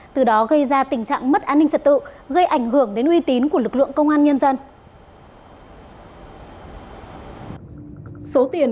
từ đó gây ra tình trạng mất an ninh trật tự gây ảnh hưởng đến uy tín của lực lượng công an nhân dân